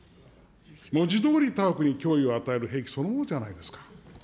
文字どおり他国に脅威を与える兵器そのものじゃないですか。